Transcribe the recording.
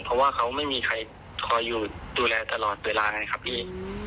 เพราะว่าเขาไม่มีใครคอยอยู่ดูแลตลอดเวลาไงครับพี่